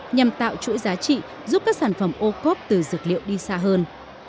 nhằm tạo chuỗi giá trị giúp các sản phẩm ô cốp từ dược liệu đi xa hơn